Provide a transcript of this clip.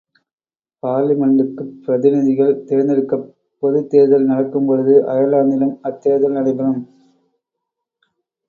பார்லிமென்டுக்குப் பிரதிநிதிகள் தேர்தெடுக்கப் பொதுத் தேர்தல் நடக்கும் பொழுது, அயர்லாந்திலும் அத்தேர்தல் நடைபெறும்.